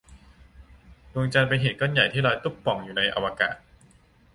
ดวงจันทร์เป็นก้อนหินใหญ่ ที่ลอยตุ๊บป่องอยู่ในอวกาศ